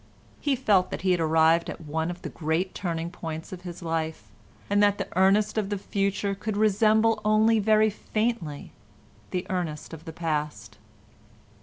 He felt that he had arrived at one of the great turning points of his life, and that the Ernest of the future could resemble only very faintly the Ernest of the past.